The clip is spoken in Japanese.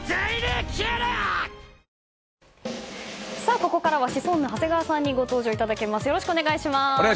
ここからはシソンヌ長谷川さんにご登場いただきます。